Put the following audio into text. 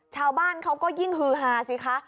ชาวบ้านเขาก็ยิ่งฮือฮาสิคะ